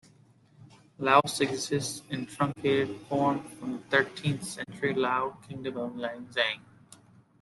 Laos exists in truncated form from the thirteenth century Lao kingdom of Lan Xang.